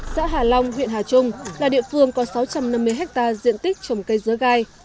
xã hà long huyện hà trung là địa phương có sáu trăm năm mươi hectare diện tích trồng cây dứa gai